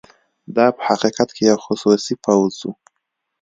دا په حقیقت کې یو خصوصي پوځ وو.